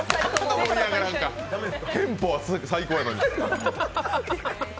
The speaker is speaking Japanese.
テンポは最高やのに。